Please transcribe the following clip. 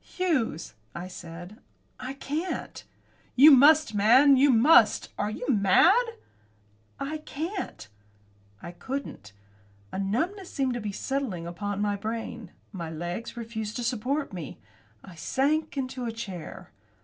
"Hughes," I said, "I can't." "You must, man, you must! Are you mad?" "I can't." I couldn't. A numbness seemed to be settling on my brain. My legs refused to support me. I sank into a chair.